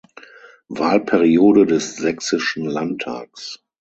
Wahlperiode des sächsischen Landtags.